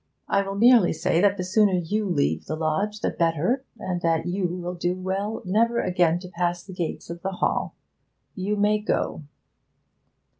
'I will merely say that the sooner you leave the lodge the better; and that you will do well never again to pass the gates of the Hall. You may go.'